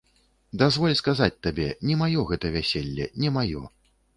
Дазволь сказаць табе, не маё гэта вяселле, не маё.